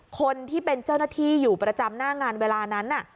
คนที่เป็นเจ้าหน้าที่อยู่ประจำหน้างานเวลานั้น